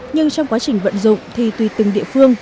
nhưng trong quá trình vận dụng thì tùy từng địa phương